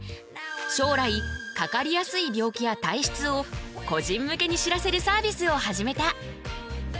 将来かかりやすい病気や体質を個人向けに知らせるサービスを始めた。